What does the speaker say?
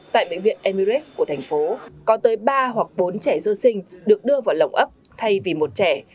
tại bệnh viện emirates của thành phố có tới ba hoặc bốn trẻ sơ sinh được đưa vào lồng ấp thay vì một trẻ